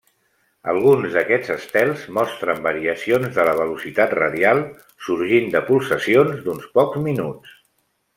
Alguns d'aquests estels mostren variacions de la velocitat radial sorgint de pulsacions d'uns pocs minuts.